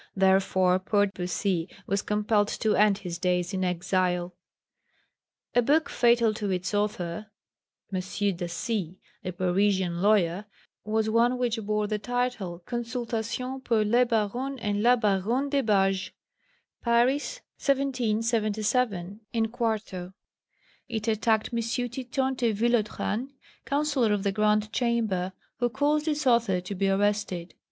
Therefore poor Bussy was compelled to end his days in exile. A book fatal to its author, M. Dassy, a Parisian lawyer, was one which bore the title Consultation pour le Baron et la Baronne de Bagge (Paris, 1777, in 4). It attacked M. Titon de Villotran, counsellor of the Grand Chamber, who caused its author to be arrested.